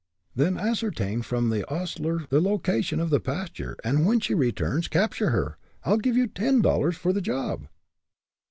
"Then ascertain from the ostler the location of the pasture, and when she returns capture her. I'll give you ten dollars for the job."